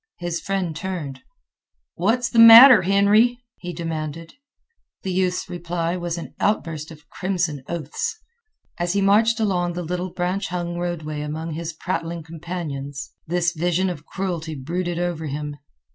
His friend turned. "What's the matter, Henry?" he demanded. The youth's reply was an outburst of crimson oaths. As he marched along the little branch hung roadway among his prattling companions this vision of cruelty brooded over him.